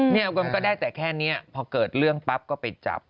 มันก็ได้แต่แค่นี้พอเกิดเรื่องปั๊บก็ไปจับ